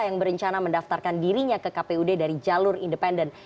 yang berencana mendaftarkan dirinya ke kpud dari jalur independen